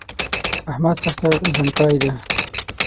احمد سخته زڼکای ده